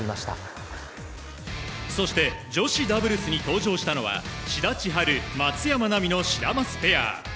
そして、女子ダブルスに登場したのは志田千陽、松山奈未のシダマツペア。